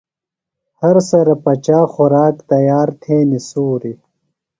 ہرسرہ پچا خوراک ، تیار تھینیۡ سُوری